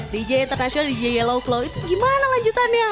dj international dj yellow claw itu gimana lanjutannya